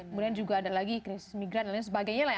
kemudian juga ada lagi krisis migran dan lain sebagainya lah ya